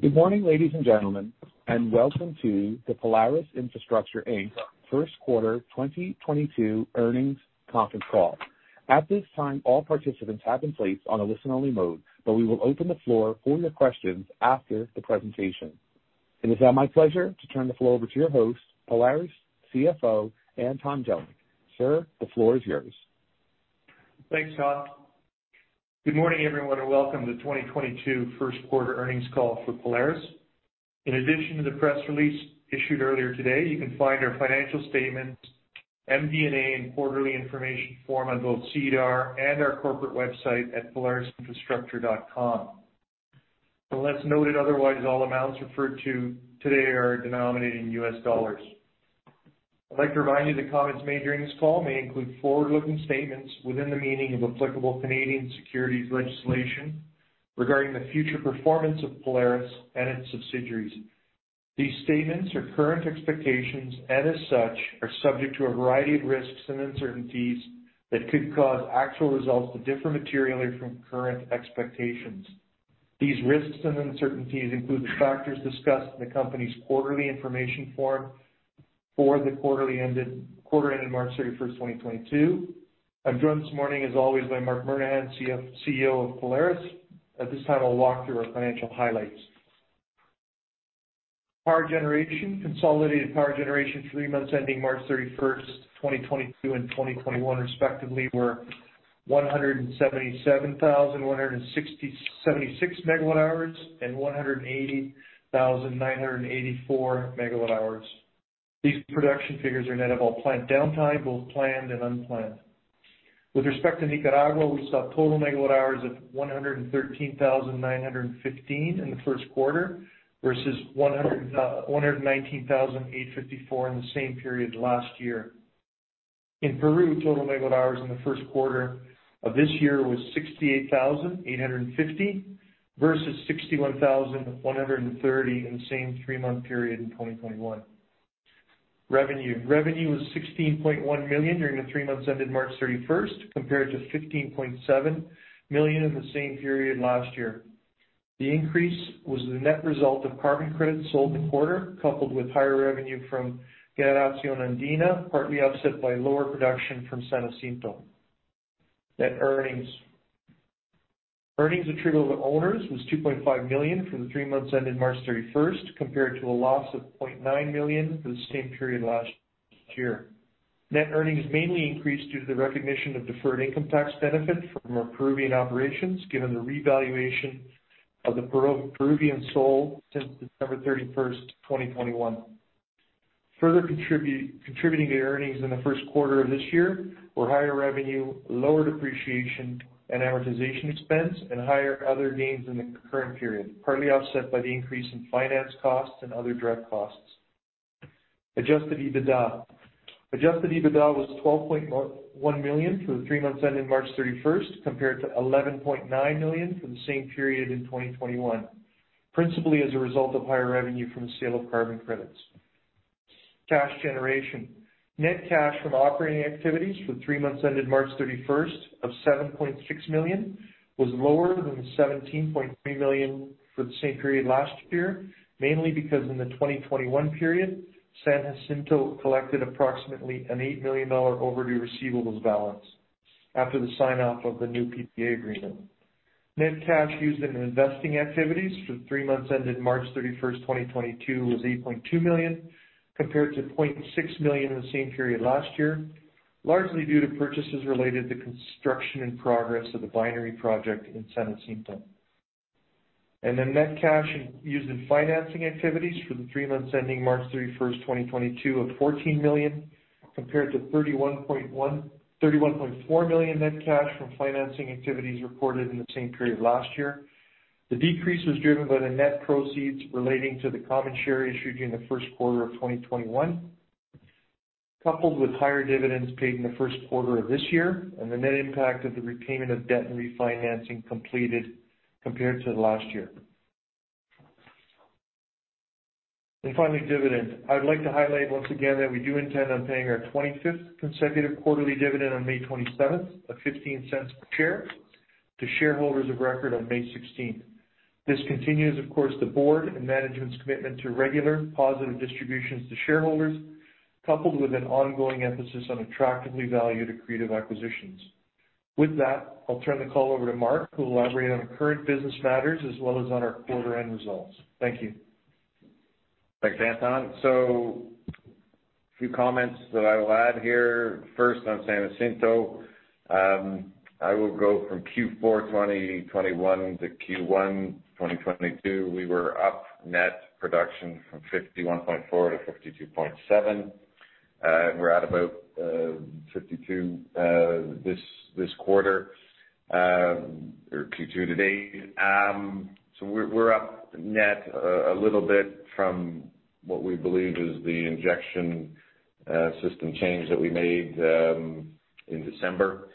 Good morning, ladies and gentlemen, and welcome to the Polaris Renewable Energy Inc. first quarter 2022 earnings conference call. At this time, all participants are placed in a listen-only mode, but we will open the floor for your questions after the presentation. It is now my pleasure to turn the floor over to your host, Polaris CFO, Anton Jelic. Sir, the floor is yours. Thanks, Todd. Good morning, everyone, and welcome to the 2022 first quarter earnings call for Polaris. In addition to the press release issued earlier today, you can find our financial statements, MD&A, and quarterly information form on both SEDAR and our corporate website at polarisrei.com. Unless noted otherwise, all amounts referred to today are denominated in US dollars. I'd like to remind you the comments made during this call may include forward-looking statements within the meaning of applicable Canadian securities legislation regarding the future performance of Polaris and its subsidiaries. These statements are current expectations, and as such, are subject to a variety of risks and uncertainties that could cause actual results to differ materially from current expectations. These risks and uncertainties include the factors discussed in the company's quarterly information form for the quarter ended 31 March 2022. I'm joined this morning, as always, by Marc Murnaghan, CEO of Polaris. At this time, I'll walk through our financial highlights. Power generation. Consolidated power generation for 3 months ending 31 March 2022 and 2021, respectively, were 177,176 megawatt-hours and 180,984 megawatt-hours. These production figures are net of all plant downtime, both planned and unplanned. With respect to Nicaragua, we saw total megawatt-hours of 113,915 in the first quarter versus 119,854 in the same period last year. In Peru, total megawatt-hours in the first quarter of this year was 68,850 versus 61,130 in the same three-month period in 2021. Revenue. Revenue was $16.1 million during the 3 months ended March 31, compared to $15.7 million in the same period last year. The increase was the net result of carbon credits sold in the quarter, coupled with higher revenue from Generación Andina, partly offset by lower production from San Jacinto. Net earnings. Earnings attributable to owners was $2.5 million for the 3 months ended March 31, compared to a loss of $0.9 million for the same period last year. Net earnings mainly increased due to the recognition of deferred income tax benefit from our Peruvian operations, given the revaluation of the Peruvian sol since 31 December 2021. Contributing to earnings in the first quarter of this year were higher revenue, lower depreciation, and amortization expense, and higher other gains in the current period, partly offset by the increase in finance costs and other direct costs. Adjusted EBITDA. Adjusted EBITDA was $1 million for the 3 months ending March 31, compared to $11.9 million for the same period in 2021, principally as a result of higher revenue from the sale of carbon credits. Cash generation. Net cash from operating activities for the 3 months ended March 31 of $7.6 million was lower than the $17.3 million for the same period last year, mainly because in the 2021 period, San Jacinto collected approximately $8 million overdue receivables balance after the sign-off of the new PPA agreement. Net cash used in investing activities for the 3 months ended 31 March 2022, was $8.2 million, compared to $0.6 million in the same period last year, largely due to purchases related to construction in progress of the binary project in San Jacinto. The net cash used in financing activities for the three months ending March thirty-first, 2022, of $14 million, compared to $31.4 million net cash from financing activities reported in the same period last year. The decrease was driven by the net proceeds relating to the common share issued during the first quarter of 2021, coupled with higher dividends paid in the first quarter of this year, and the net impact of the repayment of debt and refinancing completed compared to last year. Finally, dividends. I would like to highlight once again that we do intend on paying our 25th consecutive quarterly dividend on May 27 of $0.15 per share to shareholders of record on May 16. This continues, of course, the board and management's commitment to regular positive distributions to shareholders, coupled with an ongoing emphasis on attractively valued accretive acquisitions. With that, I'll turn the call over to Marc, who'll elaborate on current business matters as well as on our quarter end results. Thank you. Thanks, Anton. A few comments that I will add here. First, on San Jacinto, I will go from Q4 2021 to Q1 2022. We were up net production from 51.4 to 52.7. We're at about 52 this quarter or Q2 to date. We're up net a little bit from what we believe is the injection system change that we made in December.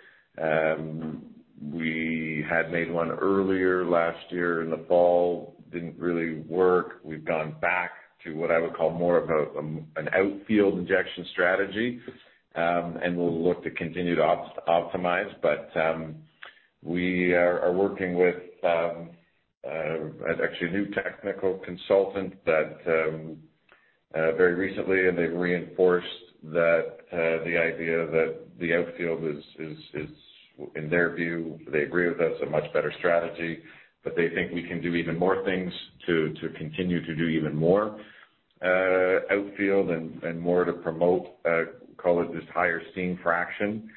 We had made one earlier last year in the fall, didn't really work. We've gone back to what I would call more of a an outfield injection strategy, and we'll look to continue to optimize. We are working with actually a new technical consultant that very recently, and they've reinforced that the idea that the outfield is, in their view, they agree with us, a much better strategy, but they think we can do even more things to continue to do even more outfield and more to promote call it this higher steam fraction.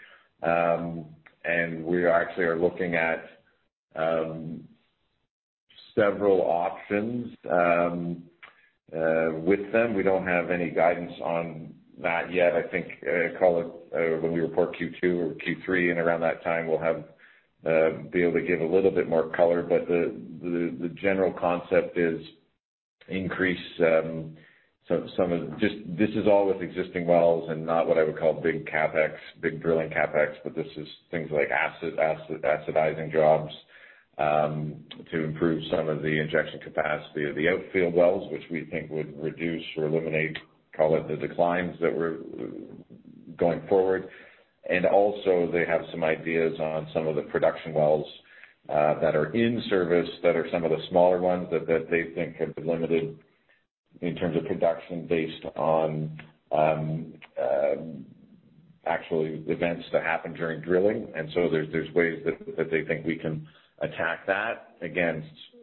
We actually are looking at several options with them. We don't have any guidance on that yet. I think call it when we report Q2 or Q3 and around that time we'll be able to give a little bit more caller The general concept is increase some of just this is all with existing wells and not what I would call big CapEx, big drilling CapEx. This is things like acidizing jobs to improve some of the injection capacity of the outfield wells, which we think would reduce or eliminate, call it the declines that we're going forward. They have some ideas on some of the production wells that are in service that are some of the smaller ones that they think have been limited in terms of production based on actually events that happen during drilling. There's ways that they think we can attack that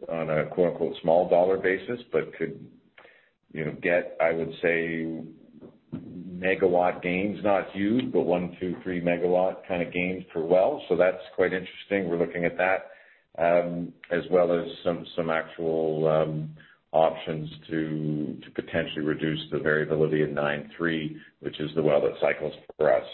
on a quote-unquote small dollar basis, but could, you know, get I would say megawatt gains, not huge, but 1, 2, 3 megawatt kind of gains per well. That's quite interesting. We're looking at that, as well as some actual options to potentially reduce the variability in 9-3, which is the well that cycles for us.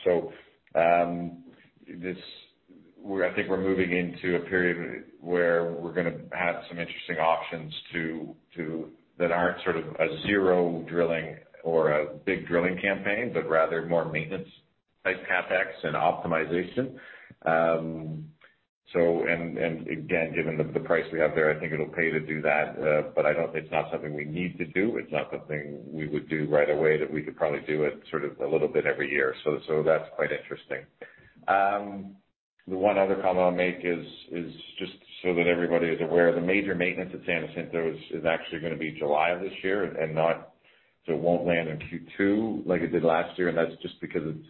I think we're moving into a period where we're gonna have some interesting options to that aren't sort of a zero drilling or a big drilling campaign, but rather more maintenance type CapEx and optimization. Again, given the price we have there, I think it'll pay to do that. I don't think it's not something we need to do. It's not something we would do right away, that we could probably do it sort of a little bit every year. That's quite interesting. The one other comment I'll make is just so that everybody is aware, the major maintenance at San Jacinto is actually gonna be July of this year and not. It won't land in Q2 like it did last year, and that's just because it's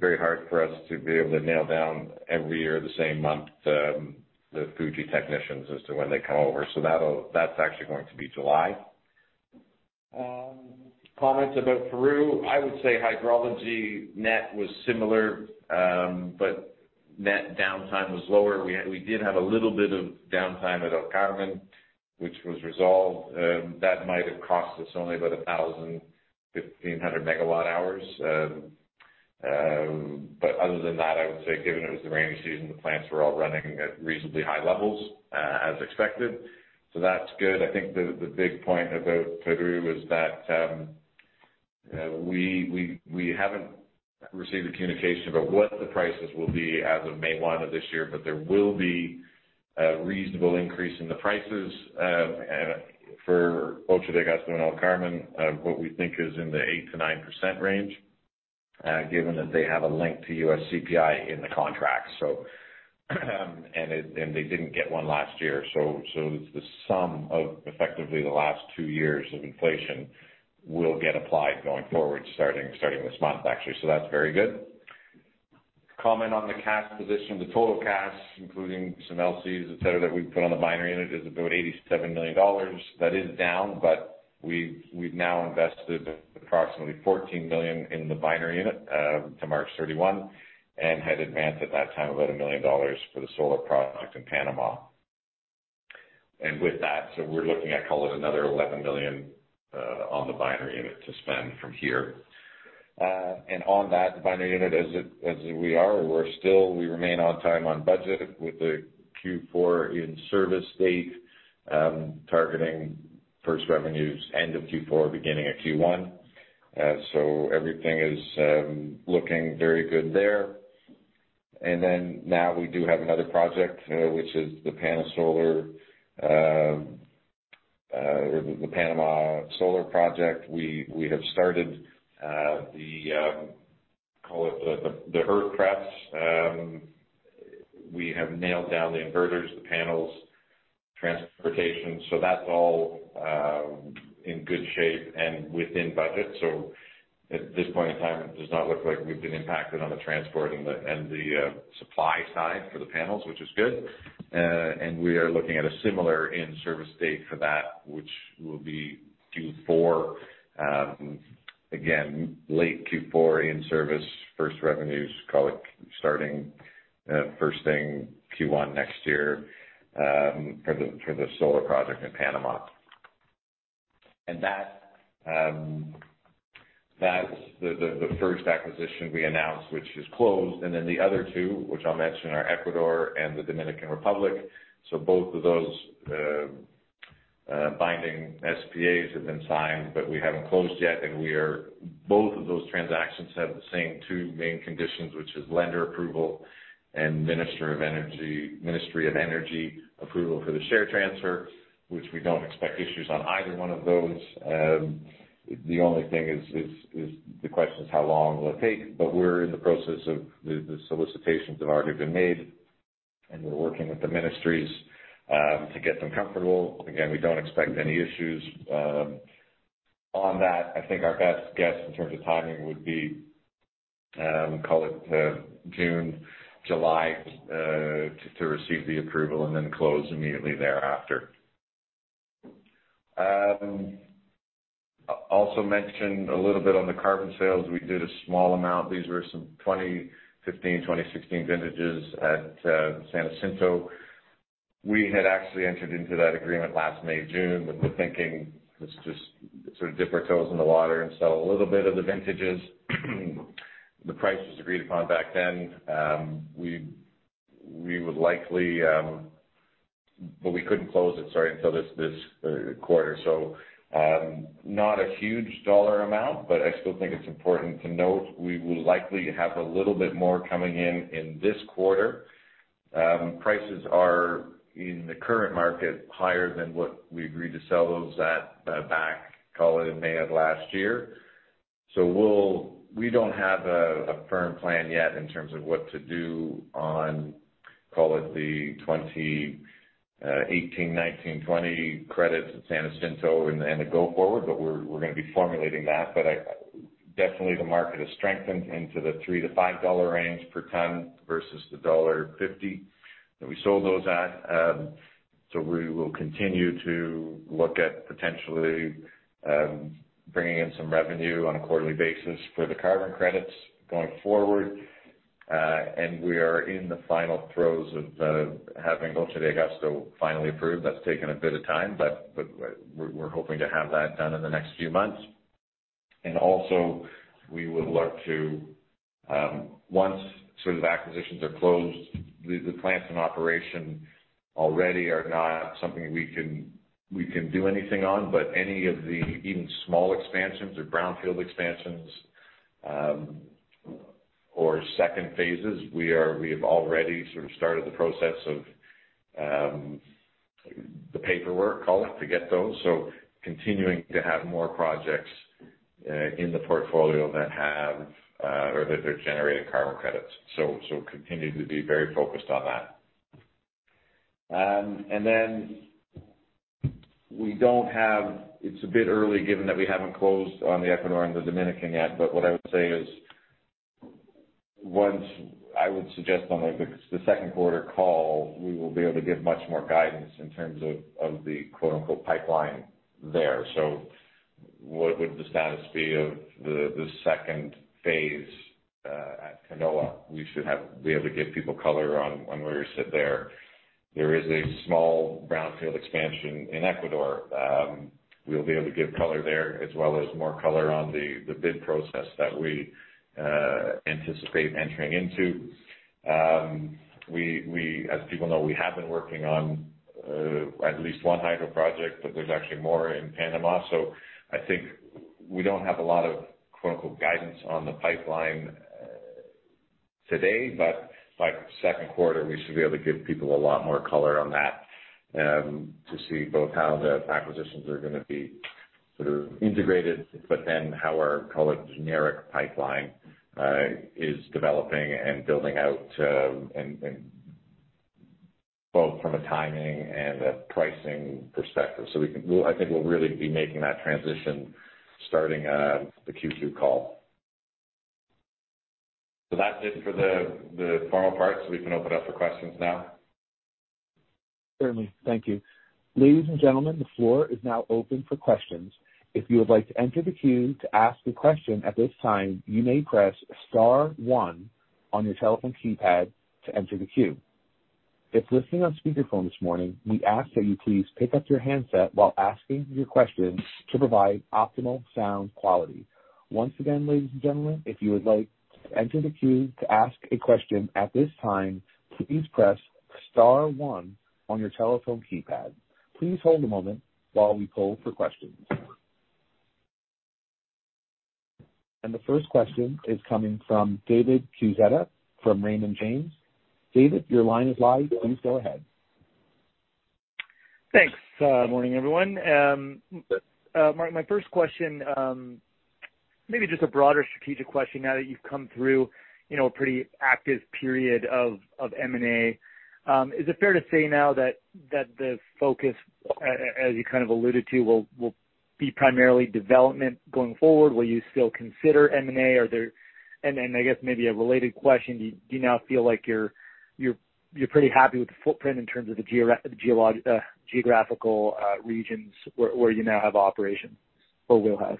very hard for us to be able to nail down every year the same month, the Fuji technicians as to when they come over. That's actually going to be July. Comments about Peru. I would say hydrology net was similar, but net downtime was lower. We did have a little bit of downtime at El Carmen, which was resolved. That might have cost us only about 1,000-1,500 megawatt-hours. Other than that, I would say given it was the rainy season, the plants were all running at reasonably high levels, as expected. That's good. I think the big point about Peru is that we haven't received a communication about what the prices will be as of May 1 of this year. There will be a reasonable increase in the prices for Ocho de Agosto and El Carmen, what we think is in the 8% to 9% range, given that they have a link to US CPI in the contract. They didn't get one last year. The sum of effectively the last 2 years of inflation will get applied going forward, starting this month, actually. That's very good. Comment on the cash position. The total cash, including some LC's, et cetera, that we put on the binary unit, is about $87 million. That is down, but we've now invested approximately $14 million in the binary unit to March 31, and had advanced at that time about $1 million for the solar project in Panama. With that, we're looking at call it another $11 million on the binary unit to spend from here. On that binary unit, we remain on time, on budget with the Q4 in-service date, targeting first revenues end of Q4, beginning of Q1. Everything is looking very good there. Then now we do have another project, which is the Panama Solar, or the Panama Solar project. We have started, call it the earth prep. We have nailed down the inverters, the panels, transportation. That's all in good shape and within budget. At this point in time, it does not look like we've been impacted on the transport and the supply side for the panels, which is good. We are looking at a similar in-service date for that, which will be Q4, again, late Q4 in service. First revenues, call it starting first thing Q1 next year, for the solar project in Panama. That's the first acquisition we announced, which is closed. Then the other two, which I'll mention, are Ecuador and the Dominican Republic. Both of those binding SPA's have been signed, but we haven't closed yet. Both of those transactions have the same two main conditions, which is lender approval and Ministry of Energy approval for the share transfer, which we don't expect issues on either one of those. The only thing is the question is how long will it take? We're in the process, the solicitations have already been made. We're working with the ministries to get them comfortable. Again, we don't expect any issues on that. I think our best guess in terms of timing would be call it June, July to receive the approval and then close immediately thereafter. Also mentioned a little bit on the carbon sales. We did a small amount. These were some 2015, 2016 vintages at San Jacinto. We had actually entered into that agreement last May, June, with the thinking let's just sort of dip our toes in the water and sell a little bit of the vintages. The price was agreed upon back then. We couldn't close it, sorry, until this quarter. Not a huge dollar amount, but I still think it's important to note we will likely have a little bit more coming in in this quarter. Prices are in the current market higher than what we agreed to sell those at back, call it in May of last year. We don't have a firm plan yet in terms of what to do on, call it the 2018, 2019, 2020 credits at San Jacinto and the go forward, but we're gonna be formulating that. Definitely the market has strengthened into the $3 to $5 range per ton versus the $1.50 that we sold those at. We will continue to look at potentially bringing in some revenue on a quarterly basis for the carbon credits going forward. We are in the final throes of having Ocho de Agosto finally approved. That's taken a bit of time, but we're hoping to have that done in the next few months. Also we would look to, once sort of acquisitions are closed, the plants in operation already are not something we can do anything on. Any of the even small expansions or brownfield expansions or phase 2, we have already sort of started the process of the paperwork, call it, to get those. Continuing to have more projects in the portfolio that have or that they're generating carbon credits. Continuing to be very focused on that. Then we don't have. It's a bit early given that we haven't closed on the Ecuador and the Dominican yet, but what I would say is once, I would suggest on, like, the second quarter call, we will be able to give much more guidance in terms of the quote-unquote "pipeline" there. What would the status be of the phase 2 at Canoa? We should be able to give people caller on where we sit there. There is a small brownfield expansion in Ecuador. We'll be able to give caller there as well as more caller on the bid process that we anticipate entering into. As people know, we have been working on at least one hydro project, but there's actually more in Panama. I think we don't have a lot of quote-unquote "guidance" on the pipeline, today, but by second quarter, we should be able to give people a lot more caller on that, to see both how the acquisitions are gonna be sort of integrated, but then how our, call it, generic pipeline, is developing and building out, and both from a timing and a pricing perspective. I think we'll really be making that transition starting the Q2 call. That's it for the formal part, so we can open up for questions now. Certainly. Thank you. Ladies and gentlemen, the floor is now open for questions. If you would like to enter the queue to ask a question at this time, you may press star one on your telephone keypad to enter the queue. If listening on speaker phone this morning, we ask that you please pick up your handset while asking your question to provide optimal sound quality. Once again, ladies and gentlemen, if you would like to enter the queue to ask a question at this time, please press star one on your telephone keypad. Please hold a moment while we poll for questions. The first question is coming from David Quezada from Raymond James. David, your line is live. Please go ahead. Thanks. Morning, everyone. Marc, my first question, maybe just a broader strategic question now that you've come through, you know, a pretty active period of M&A. Is it fair to say now that the focus, as you kind of alluded to, will be primarily development going forward? Will you still consider M&A? I guess maybe a related question, do you now feel like you're pretty happy with the footprint in terms of the geographical regions where you now have operations or will have?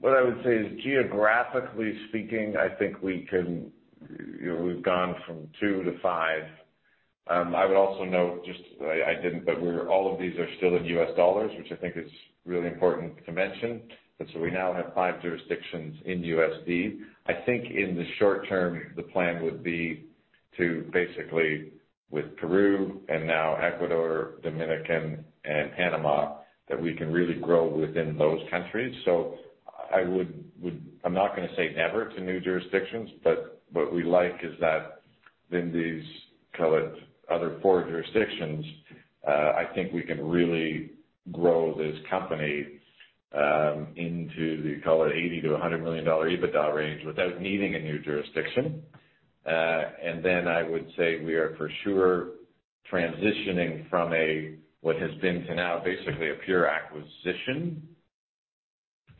What I would say is, geographically speaking, I think we can, you know, we've gone from 2 to 5. I would also note just I didn't, but all of these are still in US dollars, which I think is really important to mention. We now have 5 jurisdictions in USD. I think in the short term, the plan would be to basically, with Peru and now Ecuador, Dominican, and Panama, that we can really grow within those countries. I would. I'm not gonna say never to new jurisdictions, but what we like is that in these, call it, other four jurisdictions. I think we can really grow this company, into the, call it, $80 million to $100 million EBITDA range without needing a new jurisdiction. I would say we are for sure transitioning from a, what has been to now basically a pure acquisition.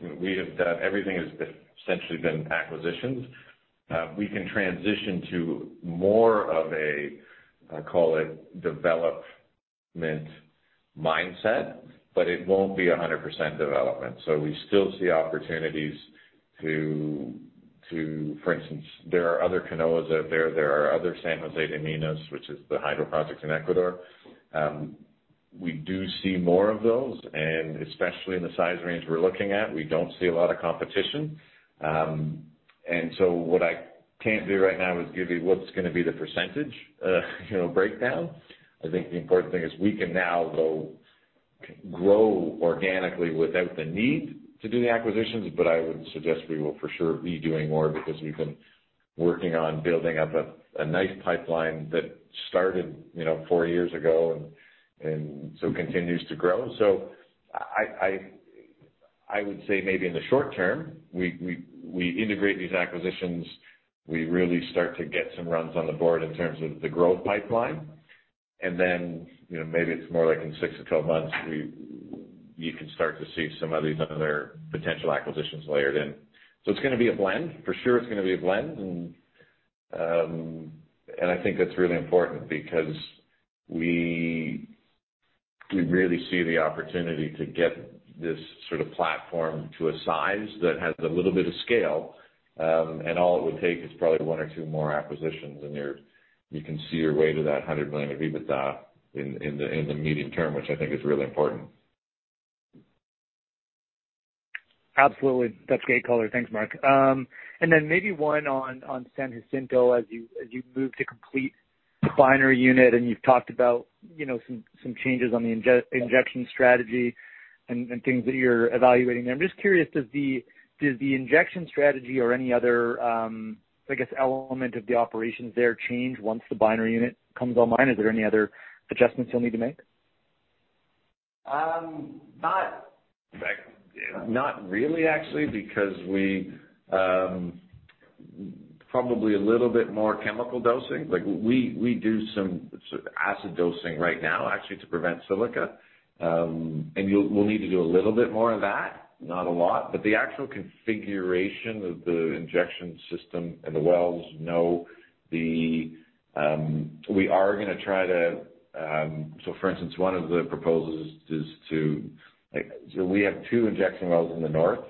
Everything has essentially been acquisitions. We can transition to more of a, call it development mindset, but it won't be 100% development. We still see opportunities to. For instance, there are other Canoas out there. There are other San José de Minas, which is the hydro projects in Ecuador. We do see more of those, and especially in the size range we're looking at, we don't see a lot of competition. What I can't do right now is give you what's gonna be the percentage, you know, breakdown. I think the important thing is we can now go grow organically without the need to do the acquisitions, but I would suggest we will for sure be doing more because we've been working on building up a nice pipeline that started, you know, 4 years ago and so continues to grow. I would say maybe in the short term, we integrate these acquisitions, we really start to get some runs on the board in terms of the growth pipeline. You know, maybe it's more like in 6 to 12 months, you can start to see some of these other potential acquisitions layered in. It's gonna be a blend. For sure it's gonna be a blend. I think that's really important because we really see the opportunity to get this sort of platform to a size that has a little bit of scale, and all it would take is probably one or two more acquisitions, and you can see your way to that 100 million of EBITDA in the medium term, which I think is really important. Absolutely. That's great caller. Thanks, Mark. Maybe one on San Jacinto as you move to complete the Binary Unit, and you've talked about, you know, some changes on the injection strategy and things that you're evaluating there. I'm just curious, does the injection strategy or any other, I guess, element of the operations there change once the Binary Unit comes online? Is there any other adjustments you'll need to make? Not really, actually, because we probably a little bit more chemical dosing. Like we do some acid dosing right now actually to prevent silica. We'll need to do a little bit more of that, not a lot. The actual configuration of the injection system and the wells, no. We are gonna try to. For instance, one of the proposals is to. We have two injection wells in the north,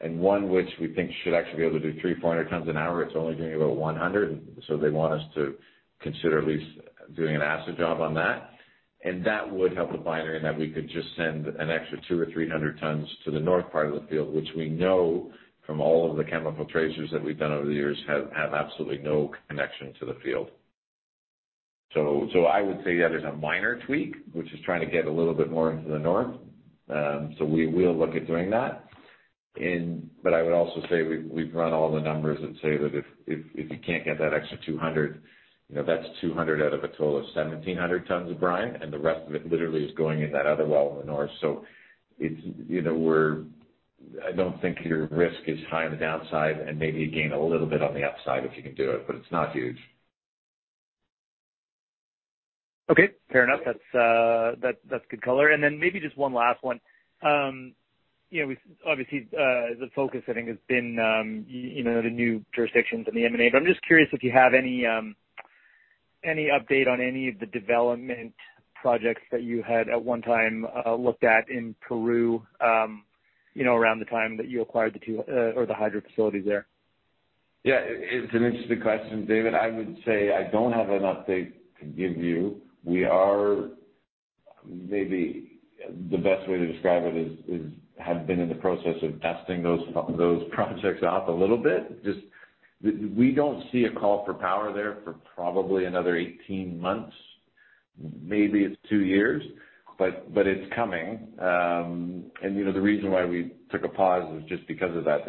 and one which we think should actually be able to do 300-400 tons an hour, it's only doing about 100. They want us to consider at least doing an acid job on that. That would help the binary in that we could just send an extra 200 or 300 tons to the north part of the field, which we know from all of the chemical tracers that we've done over the years have absolutely no connection to the field. I would say that is a minor tweak, which is trying to get a little bit more into the north. We will look at doing that. I would also say we've run all the numbers and say that if you can't get that extra 200, you know, that's 200 out of a total of 1,700 tons of brine, and the rest of it literally is going in that other well in the north. It's, you know, I don't think your risk is high on the downside, and maybe you gain a little bit on the upside if you can do it, but it's not huge. Okay. Fair enough. That's good caller. Then maybe just one last one. You know, obviously, the focus I think has been, you know, the new jurisdictions and the M&A. But I'm just curious if you have any update on any of the development projects that you had at one time looked at in Peru, you know, around the time that you acquired the two or the hydro facilities there. It's an interesting question, David. I would say I don't have an update to give you. Maybe the best way to describe it is we have been in the process of testing those projects out a little bit. Just we don't see a call for power there for probably another 18 months, maybe it's 2 years, but it's coming. You know, the reason why we took a pause was just because of that.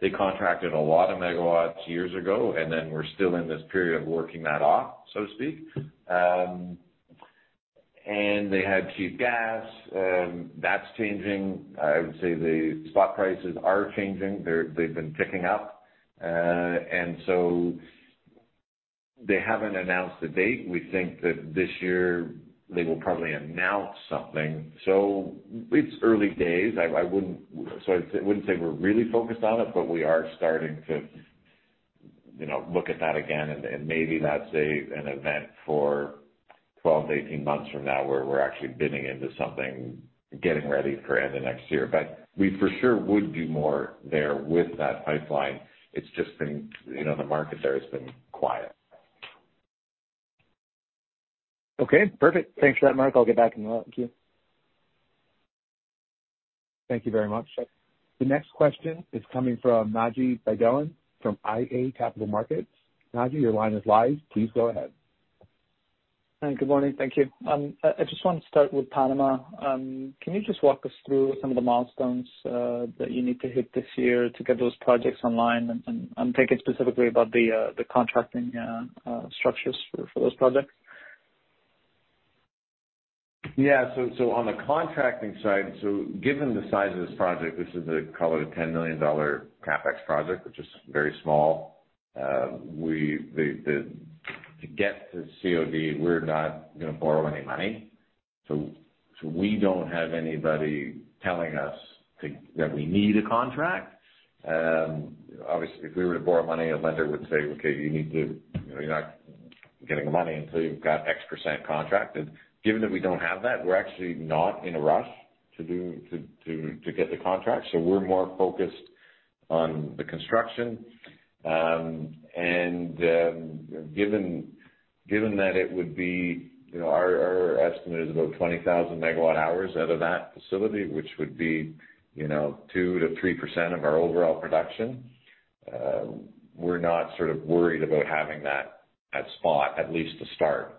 They contracted a lot of megawatts years ago, and then we're still in this period of working that off, so to speak. They had cheap gas, that's changing. I would say the spot prices are changing. They've been ticking up. They haven't announced the date. We think that this year they will probably announce something. It's early days. I wouldn't say we're really focused on it, but we are starting to, you know, look at that again, and maybe that's an event for 12-18 months from now where we're actually bidding into something, getting ready for it in the next year. We for sure would do more there with that pipeline. It's just been, you know, the market there has been quiet. Okay. Perfect. Thanks for that, Marc. I'll get back in the queue. Thank you very much. The next question is coming from Naji Baydoun from iA Capital Markets. Najib, your line is live. Please go ahead. Good morning. Thank you. I just want to start with Panama. Can you just walk us through some of the milestones that you need to hit this year to get those projects online, thinking specifically about the contracting structures for those projects? On the contracting side, given the size of this project, this is a call it a $10 million CapEx project, which is very small. To get to COD, we're not gonna borrow any money. We don't have anybody telling us that we need a contract. Obviously, if we were to borrow money, a lender would say, "Okay, you need to you know, you're not getting the money until you've got X% contracted." Given that we don't have that, we're actually not in a rush to get the contract. We're more focused on the construction. Given that it would be, you know, our estimate is about 20,000 megawatt-hours out of that facility, which would be, you know, 2% to 3% of our overall production, we're not sort of worried about having that as spot, at least to start.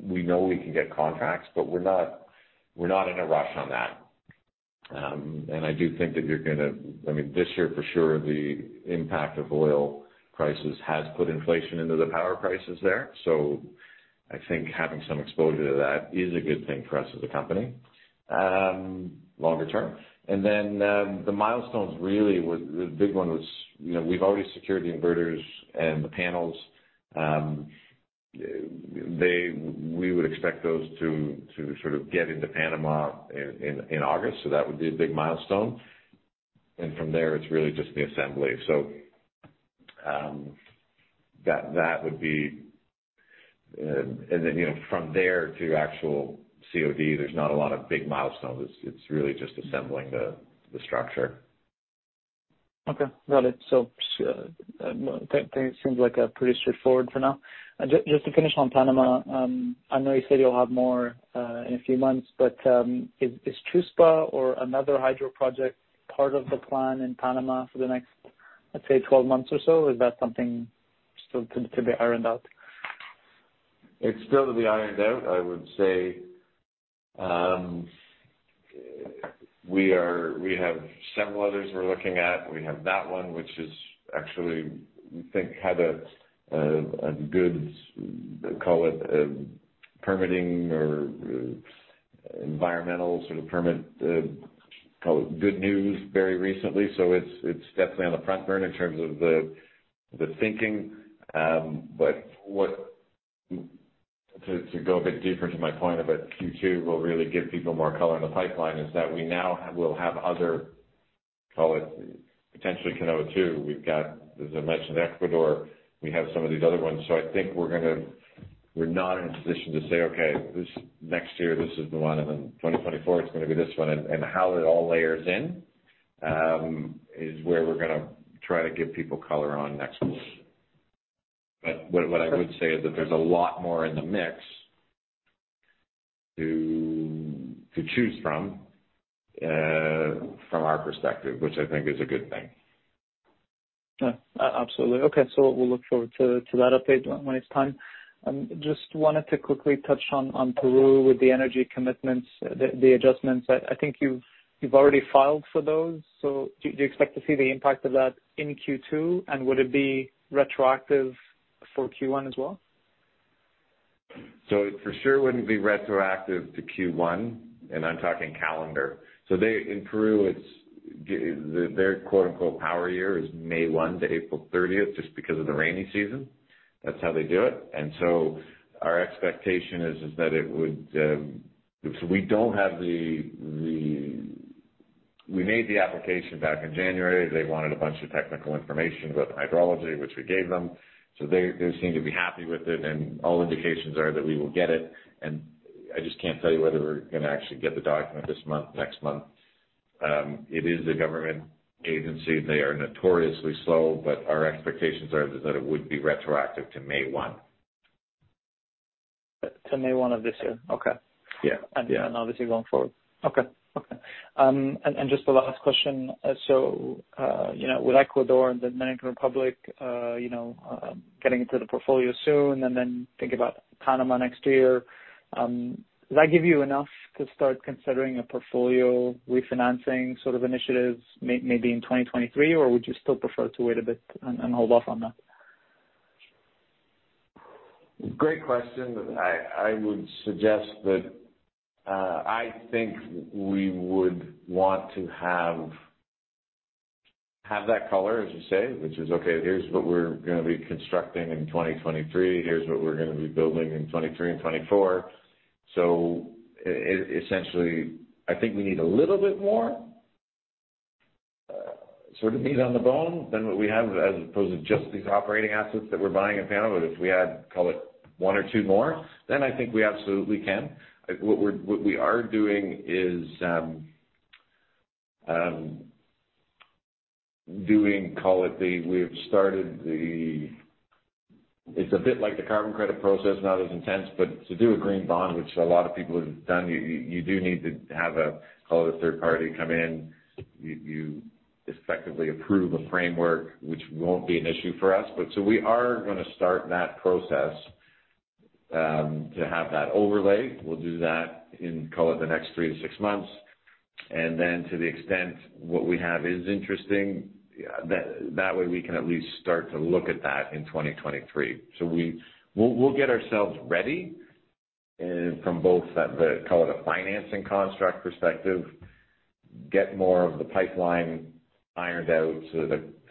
We know we can get contracts, but we're not in a rush on that. I do think that you're gonna, I mean, this year for sure, the impact of oil prices has put inflation into the power prices there. I think having some exposure to that is a good thing for us as a company, longer term. The milestones really was, the big one was, you know, we've already secured the inverters and the panels. We would expect those to sort of get into Panama in August. That would be a big milestone. From there, it's really just the assembly. That would be. You know, from there to actual COD, there's not a lot of big milestones. It's really just assembling the structure. Okay, got it. No, that seems like pretty straightforward for now. Just to finish on Panama, I know you said you'll have more in a few months, but is Chuspa or another hydro project part of the plan in Panama for the next, let's say, 12 months or so? Is that something still to be ironed out? It's still to be ironed out. I would say we have several others we're looking at. We have that one, which is actually we think had a good, call it, permitting or environmental sort of permit, call it good news very recently. It's definitely on the front burner in terms of the thinking. To go a bit deeper to my point about Q2 will really give people more caller in the pipeline is that we now will have other, call it potentially Canoa II. We've got, as I mentioned, Ecuador, we have some of these other ones. I think we're gonna. We're not in a position to say, "Okay, this next year, this is the one, and then 2024 it's gonna be this one." How it all layers in, is where we're gonna try to give people caller on next quarter. What I would say is that there's a lot more in the mix to choose from our perspective, which I think is a good thing. Absolutely. Okay. We'll look forward to that update when it's time. Just wanted to quickly touch on Peru with the energy commitments, the adjustments. I think you've already filed for those. Do you expect to see the impact of that in Q2? And would it be retroactive for Q1 as well? It for sure wouldn't be retroactive to Q1, and I'm talking calendar. In Peru, it's their quote-unquote power year is May 1 to April 30, just because of the rainy season. That's how they do it. Our expectation is that it would. We made the application back in January. They wanted a bunch of technical information about the hydrology, which we gave them. They seem to be happy with it, and all indications are that we will get it. I just can't tell you whether we're gonna actually get the document this month, next month. It is a government agency. They are notoriously slow, but our expectations are that it would be retroactive to May 1. To May 1 of this year? Okay. Obviously going forward. Okay. Okay. Just the last question. You know, with Ecuador and Dominican Republic, you know, getting into the portfolio soon, and then think about Panama next year, does that give you enough to start considering a portfolio refinancing sort of initiatives maybe in 2023, or would you still prefer to wait a bit and hold off on that? Great question. I would suggest that I think we would want to have that caller, as you say, which is, okay, here's what we're gonna be constructing in 2023. Here's what we're gonna be building in 2023 and 2024. Essentially, I think we need a little bit more sort of meat on the bone than what we have as opposed to just these operating assets that we're buying in Panama. If we had, call it one or two more, then I think we absolutely can. What we are doing is, it's a bit like the carbon credit process, not as intense, but to do a green bond, which a lot of people have done, you do need to have, call it, a third party come in. You effectively approve a framework, which won't be an issue for us. We are gonna start that process to have that overlay. We'll do that in, call it the next 3-6 months. To the extent what we have is interesting, that way we can at least start to look at that in 2023. We'll get ourselves ready from both the, call it a financing construct perspective, get more of the pipeline ironed out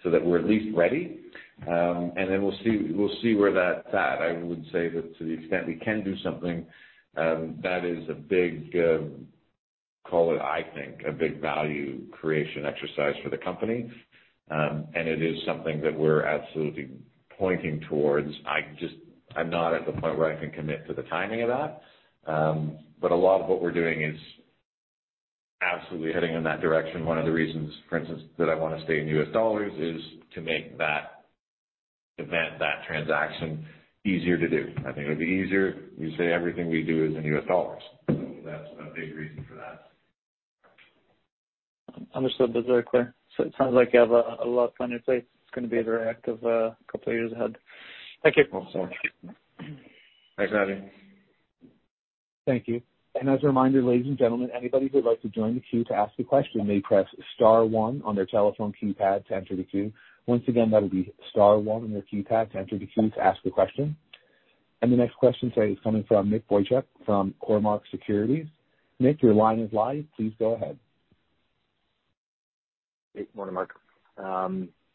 so that we're at least ready. We'll see where that's at. I would say that to the extent we can do something, that is a big, call it, I think, a big value creation exercise for the company. It is something that we're absolutely pointing towards. I'm not at the point where I can commit to the timing of that. A lot of what we're doing is absolutely heading in that direction. One of the reasons, for instance, that I wanna stay in US dollars is to make that event, that transaction easier to do. I think it'll be easier. We say everything we do is in US dollars. That's a big reason for that. Understood. That's very clear. It sounds like you have a lot on your plate. It's gonna be a very active couple of years ahead. Thank you. Thanks, Robbie. Thank you. As a reminder, ladies and gentlemen, anybody who would like to join the queue to ask a question may press star one on their telephone keypad to enter the queue. Once again, that'll be star one on your keypad to enter the queue to ask a question. The next question today is coming from Nick Boychuk from Cormark Securities. Nick, your line is live. Please go ahead. Hey. Morning, Marc.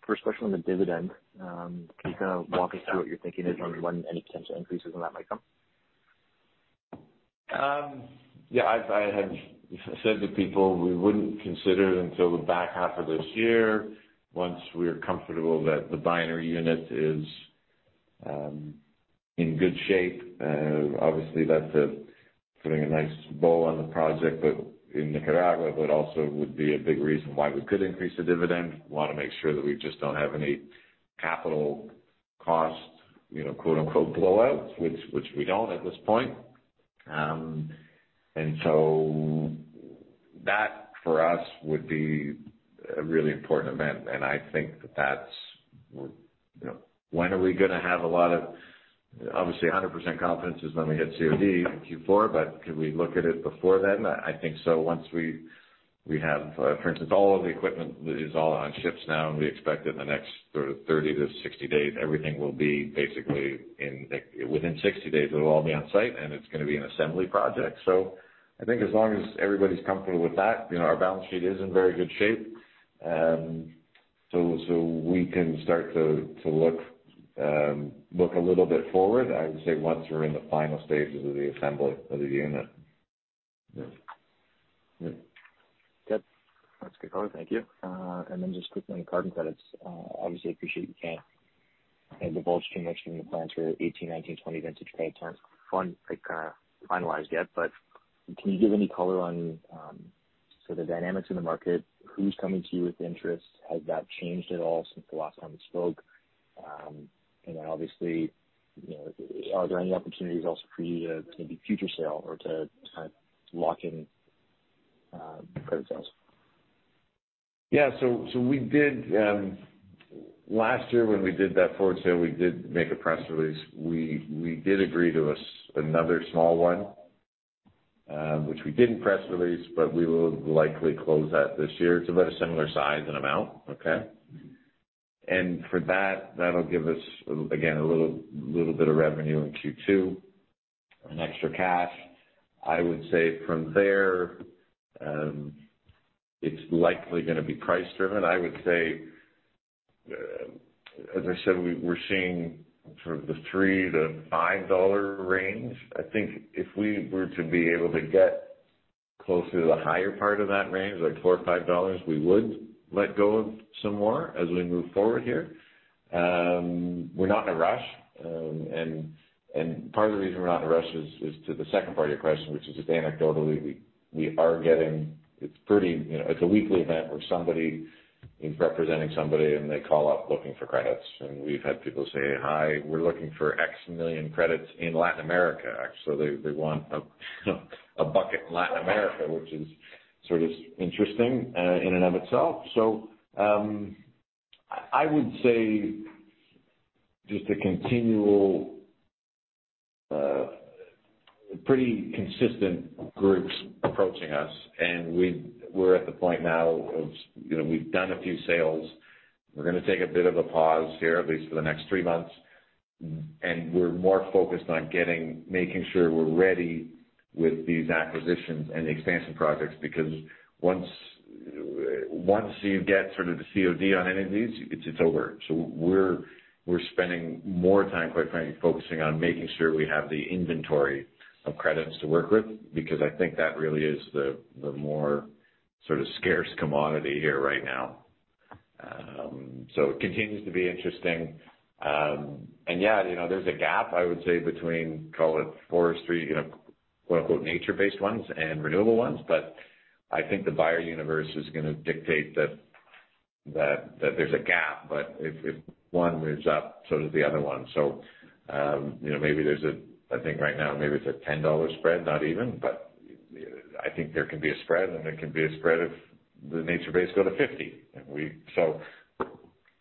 First question on the dividend. Can you kind of walk us through what your thinking is on when any potential increases on that might come? I have said to people we wouldn't consider until the back half of this year, once we are comfortable that the binary unit is in good shape. Obviously, that's putting a nice bow on the project, but in Nicaragua, it would also be a big reason why we could increase the dividend. Wanna make sure that we just don't have any capital costs, you know, quote-unquote blowouts, which we don't at this point. That, for us, would be a really important event. I think that that's, you know, when are we gonna have a lot of obviously 100% confidence is when we hit COD in Q4, but can we look at it before then? I think so. Once we have, for instance, all of the equipment is all on ships now, and we expect in the next sort of 30 to 60 days, everything will be basically within 60 days, it'll all be on-site, and it's gonna be an assembly project. I think as long as everybody's comfortable with that, you know, our balance sheet is in very good shape. We can start to look a little bit forward, I would say, once we're in the final stages of the assembly of the unit. Yep. That's good. Thank you. Just quickly on carbon credits. Obviously appreciate you can't give the full detail mentioning the plans for 18, 19, 20 vintage credit terms fully, like, kinda finalized yet. Can you give any caller on the dynamics in the market, who's coming to you with interest? Has that changed at all since the last time we spoke? Then obviously, you know, are there any opportunities also for you to maybe future sale or to lock in credit sales? We did last year when we did that forward sale, we did make a press release. We did agree to another small one, which we didn't press release, but we will likely close that this year. It's about a similar size and amount. Okay? For that'll give us, again, a little bit of revenue in Q2, extra cash. I would say from there, it's likely gonna be price driven. I would say, as I said, we're seeing sort of the $3-$5 range. I think if we were to be able to get closer to the higher part of that range, like $4 or $5, we would let go of some more as we move forward here. We're not in a rush. Part of the reason we're not in a rush is to the second part of your question, which is just anecdotally, we are getting. It's pretty, you know, it's a weekly event where somebody is representing somebody and they call up looking for credits. We've had people say, "Hi, we're looking for X million credits in Latin America." They want a bucket Latin America, which is sort of interesting in and of itself. I would say just a continual, pretty consistent groups approaching us. We're at the point now of, you know, we've done a few sales. We're gonna take a bit of a pause here, at least for the next three months, and we're more focused on making sure we're ready with these acquisitions and expansion projects, because once you get sort of the COD on any of these, it's over. We're spending more time, quite frankly, focusing on making sure we have the inventory of credits to work with because I think that really is the more sort of scarce commodity here right now. It continues to be interesting. You know, there's a gap, I would say, between, call it forestry, you know, quote-unquote, nature-based ones and renewable ones. I think the buyer universe is gonna dictate that there's a gap. If one moves up, so does the other one. You know, maybe there's. I think right now maybe it's a $10 spread, not even, but I think there can be a spread, and it can be a spread of the nature-based go to $50,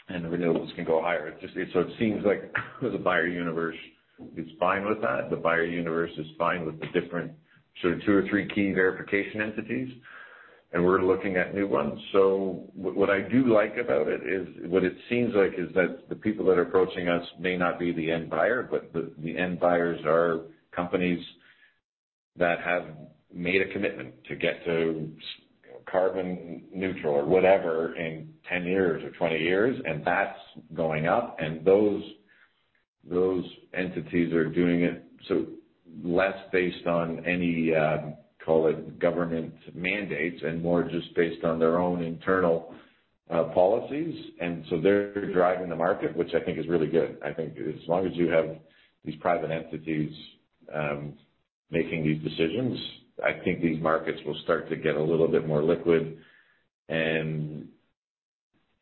and the renewables can go higher. It just seems like the buyer universe is fine with that. The buyer universe is fine with the different sort of two or three key verification entities, and we're looking at new ones. What I do like about it is what it seems like is that the people that are approaching us may not be the end buyer, but the end buyers are companies that have made a commitment to get to carbon neutral or whatever in 10 years or 20 years, and that's going up. Those entities are doing it solely based on any, call it government mandates and more just based on their own internal, policies. They're driving the market, which I think is really good. I think as long as you have these private entities, making these decisions, I think these markets will start to get a little bit more liquid and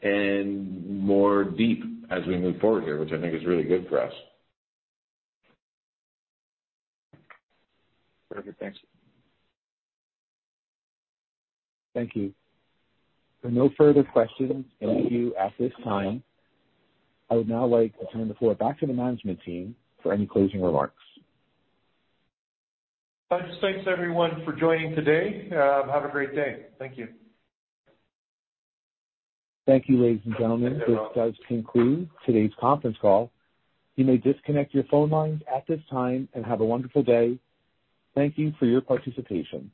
more deep as we move forward here, which I think is really good for us. Perfect. Thanks. Thank you. There are no further questions in the queue at this time. I would now like to turn the floor back to the management team for any closing remarks. Thanks, everyone, for joining today. Have a great day. Thank you. Thank you, ladies and gentlemen. This does conclude today's conference call. You may disconnect your phone lines at this time and have a wonderful day. Thank you for your participation.